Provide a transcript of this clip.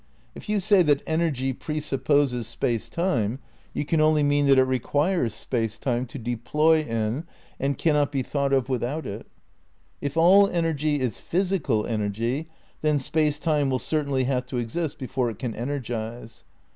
If you say that energy presupposes Space Time, you can only mean that it requires Space Time to deploy in and cannot be thought of without it. If all energy is physical energy, then Space Time will cer tainly have to exist before it can energise.